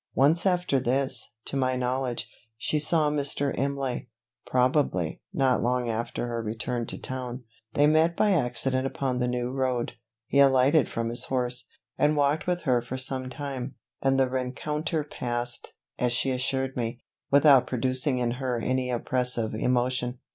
Once after this, to my knowledge, she saw Mr. Imlay; probably, not long after her return to town. They met by accident upon the New Road; he alighted from his horse, and walked with her for some time; and the rencounter passed, as she assured me, without producing in her any oppressive emotion.